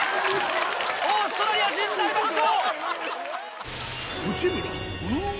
オーストラリア人大爆笑。